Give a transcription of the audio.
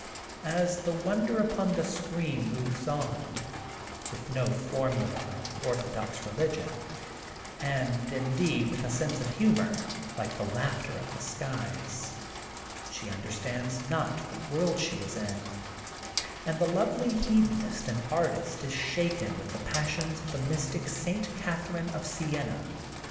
As the wonder upon the screen moves on, with no formula of orthodox religion, and indeed with a sense of humor, like the laughter of the skies, she understands not what world she is in, and the lovely hedonist and artist is shaken with the passions of the mystic St. Catharine of Sienna.